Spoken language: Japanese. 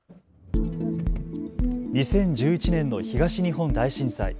２０１１年の東日本大震災。